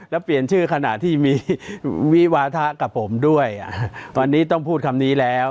แล้วเปลี่ยนชื่อขณะที่มีวิวาทะกับผมด้วยวันนี้ต้องพูดคำนี้แล้ว